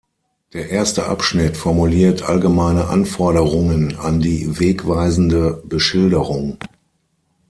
Der erste Abschnitt formuliert allgemeine Anforderungen an die wegweisende Beschilderung.